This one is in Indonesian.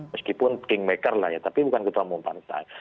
meskipun kingmaker lah ya tapi bukan ketua umum partai